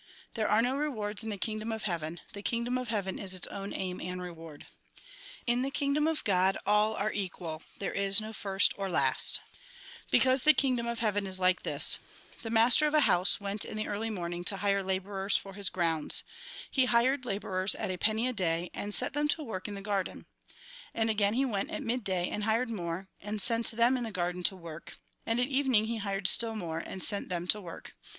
There are no rewards in the kingdom of heaven, the kingdom of heaven is its own aim and reward. In the kingdom of God all are equal, there is neither first nor last. 102 Mt. X. 38. xix. 27. Mk. X. 29, 30. LIFE IS NOT TEMPORAL 103 Mt. XX. 1. 14. 20. Mk. A. 36. Mt. XX. 21. 22. " Because the kingdom of heaven is like this. The master of a house went in the early morning to hire labourers for his grounds. He hired labourers at a penny a day, and set them to work in the garden. And he again went at mid day and hired more, and sent them into the garden to work ; and at evening he hired still more, and sent them to work.